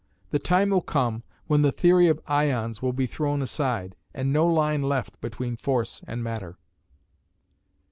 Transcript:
The time will come when the theory of "ions" will be thrown aside, and no line left between force and matter.